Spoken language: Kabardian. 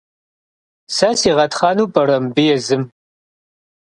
Сэ сигъэтхъэну пӏэрэ мыбы езым?